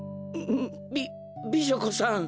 び美女子さん。